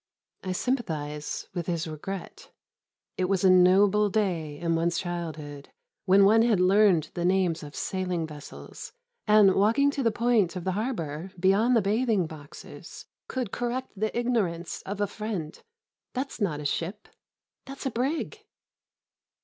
I sympathise with his regret. It was a noble day in one's childhood when one had learned the names of sailing vessels, and, walking to the point of the harbour beyond the bathing boxes, could correct the ignorance of a friend: "That's not a ship. That's a brig."